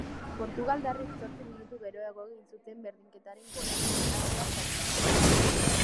Portugaldarrek zortzi minutu geroago egin zuten berdinketaren gola, penalti bat sartuta.